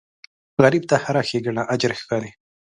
غریب ته هره ښېګڼه اجر ښکاري